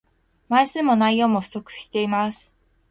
枚数も内容も不足しています